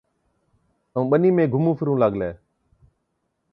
ائُون ٻنِي ۾ گھُمُون ڦرُون لاگلي۔